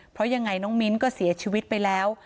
เพราะยังไงน้องมิ้นก็เสียชีวิตไปแล้ว